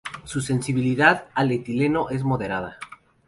Su sensibilidad al etileno es moderada.